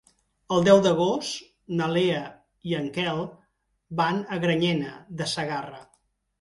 El deu d'agost na Lea i en Quel van a Granyena de Segarra.